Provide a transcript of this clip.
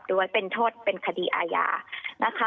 ด้วยเป็นโทษเป็นคดีอาญานะคะ